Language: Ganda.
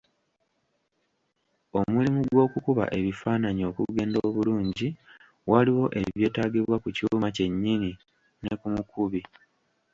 Omulimu gw'okukuba ebifaananyi okugenda obulungi waliwo ebyetaagibwa ku kyuma kyennyini ne ku mukubi.